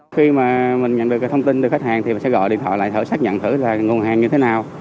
khi mà mình nhận được cái thông tin từ khách hàng thì mình sẽ gọi điện thoại lại thử xác nhận thử là nguồn hàng như thế nào